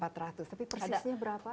tapi persisnya berapa